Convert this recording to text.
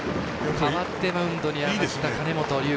代わってマウンドに上がった金本琉瑚。